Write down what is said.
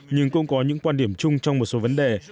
nhưng cũng có những quan điểm chung trong một số vấn đề